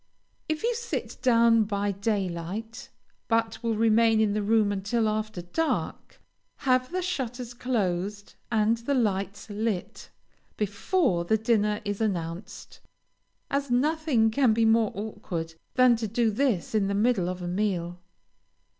If you sit down by daylight, but will remain in the room until after dark, have the shutters closed and the lights lit, before the dinner is announced, as nothing can be more awkward than to do this in the middle of the meal.